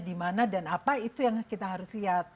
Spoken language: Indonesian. di mana dan apa itu yang kita harus lihat